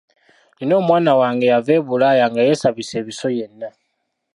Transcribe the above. Nina omwana wange yava e Bulaaya nga yeesabise ebiso yenna.